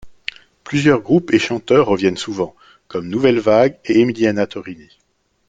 Plusieurs groupes et chanteurs reviennent souvent, comme Nouvelle Vague et Emilíana Torrini.